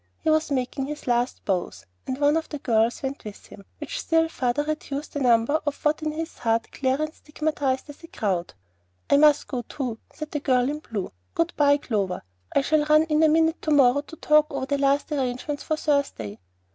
He was making his last bows; and one of the girls went with him, which still farther reduced the number of what in his heart Clarence stigmatized as "a crowd." "I must go too," said the girl in blue. "Good by, Clover. I shall run in a minute to morrow to talk over the last arrangements for Thursday."